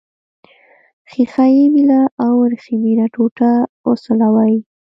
ښيښه یي میله او وریښمینه ټوټه وسولوئ.